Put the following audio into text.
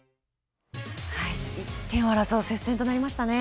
１点を争う接戦となりましたね。